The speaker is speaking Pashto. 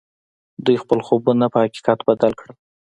دوی خپل خوبونه پر حقيقت بدل کړل.